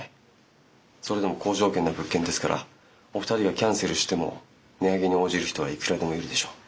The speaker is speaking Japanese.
それでも好条件の物件ですからお二人がキャンセルしても値上げに応じる人はいくらでもいるでしょう。